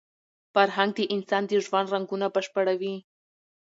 فرهنګ د انسان د ژوند رنګونه بشپړوي.